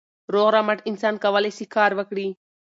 روغ رمټ انسان کولای سي کار وکړي.